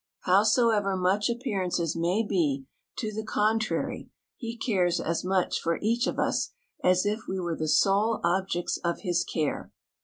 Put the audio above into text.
Howsoever much appearances may be to the contrary, He cares as much for each of us as if we were the sole objects of His care.